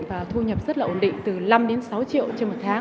và thu nhập rất là ổn định từ năm đến sáu triệu trên một tháng